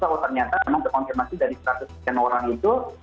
kalau ternyata memang terkonfirmasi dari seratus sekian orang itu